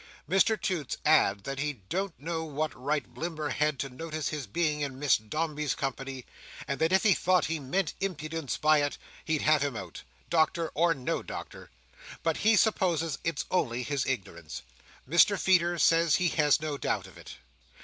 Mr Toots adds, that he don't know what right Blimber had to notice his being in Miss Dombey's company, and that if he thought he meant impudence by it, he'd have him out, Doctor or no Doctor; but he supposes its only his ignorance. Mr Feeder says he has no doubt of it.